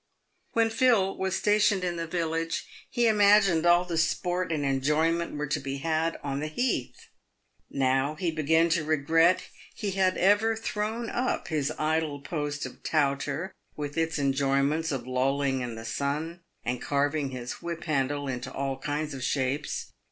When Phil was stationed in the village, he imagined all the sport and enjoyment were to be had on the heath. JSTow he began to regret he had ever thrown up his idle post of touter, with its en joyments of lolling in the sun, and carving his whip handle into all kinds of shapes.